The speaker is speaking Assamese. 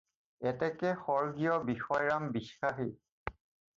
এতেকে স্বৰ্গীয় বিষয়ৰাম বিশ্বাসী